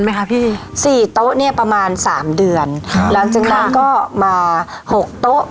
ไหมคะพี่สี่โต๊ะเนี้ยประมาณสามเดือนครับหลังจากนั้นก็มาหกโต๊ะ